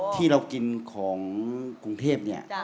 ที่เรากินของกรุงเทพเนี่ย